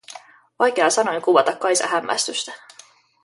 Vaikea on sanoin kuvata Kaisan hämmästystä.